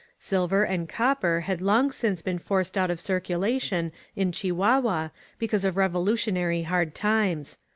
Silver and copper had long since been forced out of circulation in Chihuahua because of revolutionary hard times.